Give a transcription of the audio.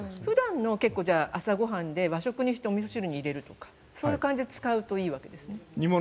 普段の朝ごはんで和食にしておみそ汁に入れるとかそういう感じで使えばいいんですね。